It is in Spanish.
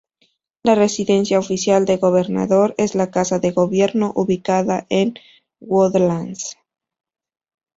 La residencia oficial del gobernador es la" Casa de Gobierno," ubicada en Woodlands.